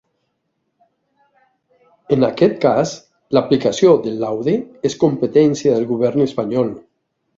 En aquest cas, l’aplicació del laude és competència del govern espanyol.